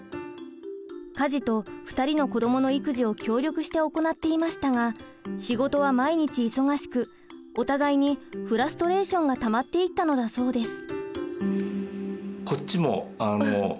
家事と２人の子どもの育児を協力して行っていましたが仕事は毎日忙しくお互いにフラストレーションがたまっていったのだそうです。